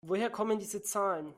Woher kommen diese Zahlen?